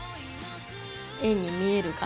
円に見えるかな。